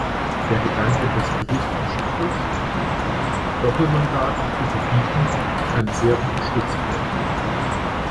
Der Gedanke des Berichterstatters, Doppelmandate zu verbieten, kann sehr unterstützt werden.